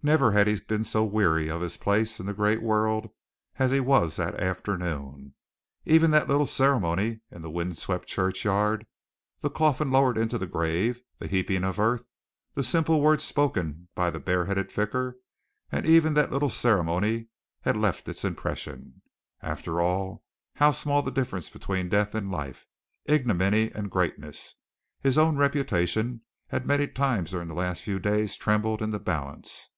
Never had he been so weary of his place in the great world as he was that afternoon. Even that little ceremony in the wind swept churchyard, the coffin lowered into the grave, the heaping of earth, the simple words spoken by the bareheaded vicar, even that little ceremony had left its impression. After all, how small the difference between Death and Life, ignominy and greatness! His own reputation had many times during the last few days trembled in the balance.